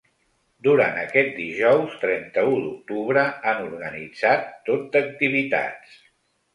Durant aquest dijous trenta-u d’octubre, han organitzat tot d’activitats.